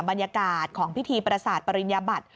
บรรยากาศของพิธีประสาทปริญญาบัติ